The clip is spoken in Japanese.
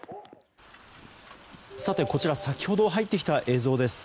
こちらは先ほど入ってきた映像です。